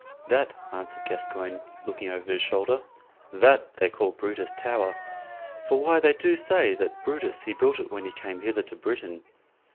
"That," answered Gascoyne, looking over his shoulder "that they call Brutus Tower, for why they do say that Brutus he built it when he came hither to Britain.